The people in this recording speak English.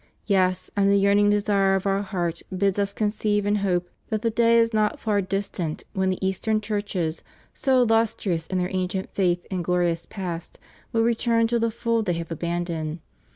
Yes, and the yearning desire of Our heart bids us conceive and hope that the day is not far distant when the Eastern Churches, so illustrious in their ancient faith and glorious past, will return to the fold they have abandoned.